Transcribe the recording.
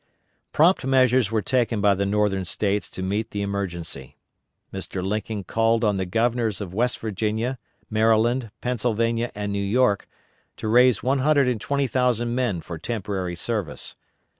Prompt measures were taken by the Northern States to meet the emergency. Mr. Lincoln called on the Governors of West Virginia, Maryland, Pennsylvania, and New York to raise 120,000 men for temporary service.